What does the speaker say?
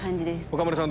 岡村さん